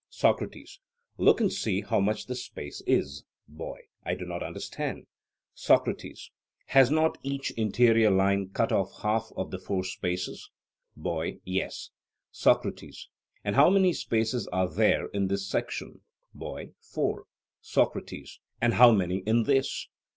SOCRATES: Look and see how much this space is. BOY: I do not understand. SOCRATES: Has not each interior line cut off half of the four spaces? BOY: Yes. SOCRATES: And how many spaces are there in this section? BOY: Four. SOCRATES: And how many in this?